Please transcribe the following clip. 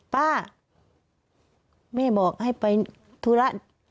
แม่บอกให้ไปธุระ